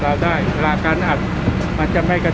และที่เราต้องใช้เวลาในการปฏิบัติหน้าที่ระยะเวลาหนึ่งนะครับ